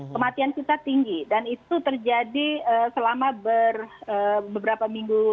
kematian kita tinggi dan itu terjadi selama beberapa minggu